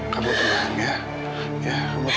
kamu tenang ya